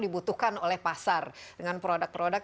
dibutuhkan oleh pasar dengan produk produk